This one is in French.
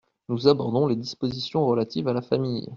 Nous abordons les dispositions relatives à la famille.